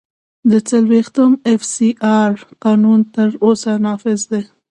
د څلوېښتم اېف سي آر قانون تر اوسه نافذ دی.